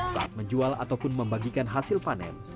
saat menjual ataupun membagikan hasil panen